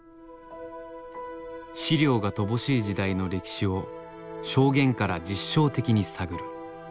資料が乏しい時代の歴史を証言から実証的に探る。